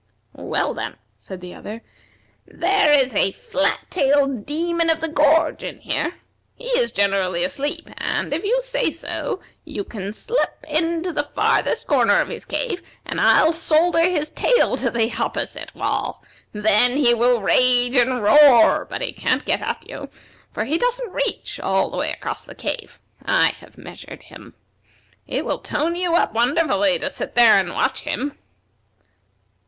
"Well then," said other, "there is a flat tailed Demon of the Gorge in here. He is generally asleep, and, if you say so, you can slip into the farthest corner of his cave, and I'll solder his tail to the opposite wall. Then he will rage and roar, but he can't get at you, for he doesn't reach all the way across his cave; I have measured him. It will tone you up wonderfully to sit there and watch him."